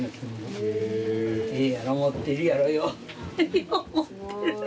ええやろもってるやろよう。